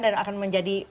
dan akan menjadi pekerjaan